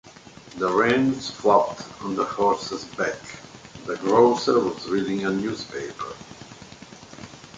The reins flapped on the horse's back; the grocer was reading a newspaper.